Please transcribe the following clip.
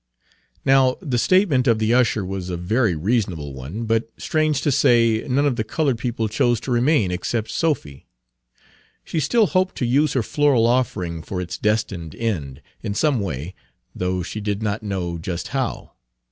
Now the statement of the usher was a very reasonable one; but, strange to say, none of the colored people chose to remain except Sophy. She still hoped to use her floral offering for its destined end, in some way, though she did not know just how.